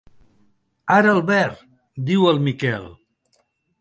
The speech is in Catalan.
Ara el verd —diu el Miquel.